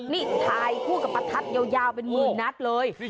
นี่ถ่ายคู่กับประทัดยาวเป็นหมื่นนัดเลย